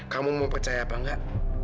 kamu mau percaya apa enggak